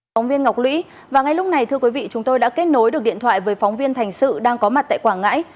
phóng viên ngọc lũy và ngay lúc này thưa quý vị chúng tôi đã kết nối được điện thoại với phóng viên thành sự đang có mặt tại quảng ngãi